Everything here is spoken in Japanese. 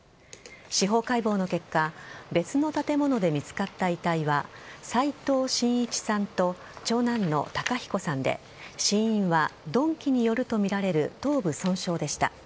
司法解剖の結果別の建物で見つかった遺体は斎藤真一さんと長男の孝彦さんで死因は鈍器によるとみられる頭部損傷でした。